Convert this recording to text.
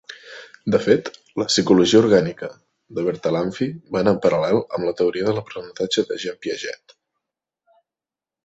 De fet, la psicologia orgànica de Bertalanffy va anar en paral·lel amb la teoria de l'aprenentatge de Jean Piaget.